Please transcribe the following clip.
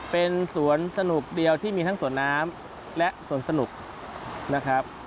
เป็นสวนสนุกเดียวที่มีทั้งสวนน้ำและสวนสนุกนะครับ